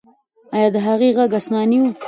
آیا د هغې ږغ آسماني و؟